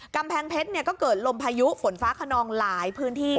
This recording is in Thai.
กำแพงเพชรก็เกิดลมพายุฝนฟ้าขนองหลายพื้นที่